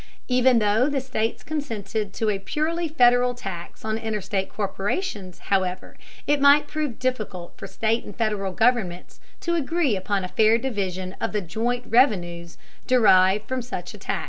Even though the states consented to a purely Federal tax on interstate corporations, however, it might prove difficult for state and Federal governments to agree upon a fair division of the joint revenues derived from such a tax.